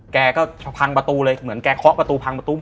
แกก็พังประตูเลยเหมือนแกเคาะประตูพังประตู